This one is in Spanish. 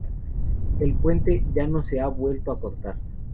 El puente ya no se ha vuelto a cortar.